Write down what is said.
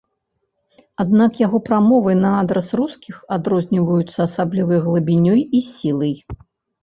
Аднак яго прамовы на адрас рускіх адрозніваюцца асаблівай глыбінёй і сілай.